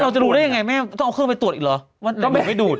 เราจะรู้ได้ยังไงแม่ต้องเอาเครื่องไปตรวจอีกเหรอทำไมไม่ดูด